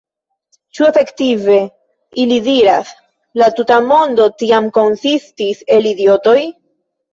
« Ĉu efektive », ili diras, « la tuta mondo tiam konsistis el idiotoj?"